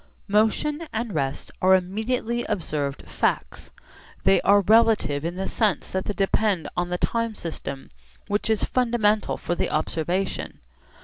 Motion and rest are immediately observed facts. They are relative in the sense that they depend on the time system which is fundamental for the observation.